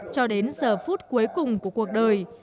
cho đến giờ phút cuối cùng của cuộc đời